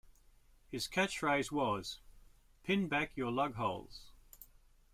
His catchphrase was 'Pin back your lugholes'.